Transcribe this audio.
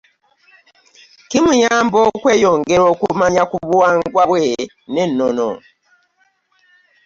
Kimuyamba okweyongera okumanya ku buwangwa bwe n'ennono.